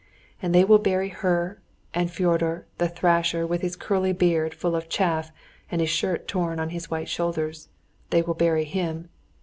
"And they will bury her and Fyodor the thrasher with his curly beard full of chaff and his shirt torn on his white shoulders—they will bury him.